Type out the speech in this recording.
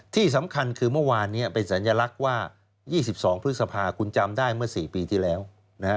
ที่สำคัญคือเมื่อวานนี้เป็นสัญลักษณ์ว่า๒๒พฤษภาคุณจำได้เมื่อ๔ปีที่แล้วนะฮะ